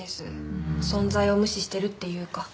存在を無視してるっていうか。